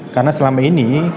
karena selama ini